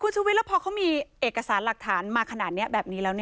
ชุวิตแล้วพอเขามีเอกสารหลักฐานมาขนาดนี้แบบนี้แล้ว